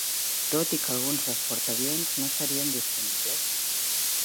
Tot i que alguns dels portaavions no estarien disponibles.